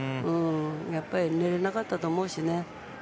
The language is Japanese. やっぱり、寝られなかったと思うしね。